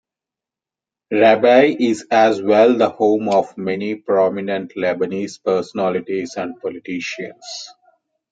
Rabieh is as well the home of many prominent Lebanese personalities and politicians.